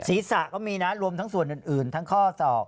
ศีรษะก็มีนะรวมทั้งส่วนอื่นทั้งข้อศอก